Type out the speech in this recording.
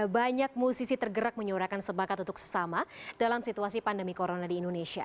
banyak musisi tergerak menyuarakan semangat untuk sesama dalam situasi pandemi corona di indonesia